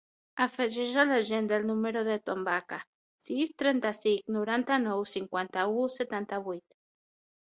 Afegeix a l'agenda el número del Ton Vaca: sis, trenta-cinc, noranta-nou, cinquanta-u, setanta-vuit.